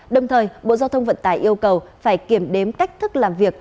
đồng thời bộ giao thông vận tải yêu cầu phải kiểm đếm cách thức làm việc